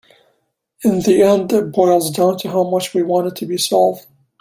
In the end it boils down to how much we want it to be solved.